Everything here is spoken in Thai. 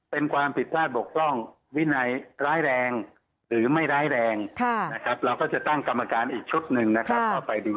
ก็ไปดูแลในเรื่องนี้ไหน